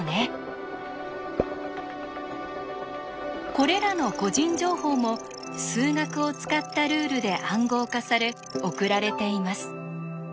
これらの個人情報も数学を使ったルールで暗号化され送られています。